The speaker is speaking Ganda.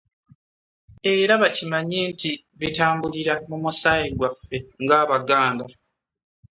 Era bakimanye nti bitambulira mu musaayi gwaffe ng'Abaganda